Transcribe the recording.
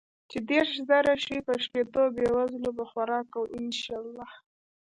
چې ديرش زره شي په شپيتو بې وزلو به خوراک کو ان شاء الله.